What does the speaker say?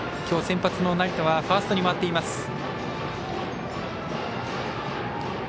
きょう先発の成田ファーストに回っています。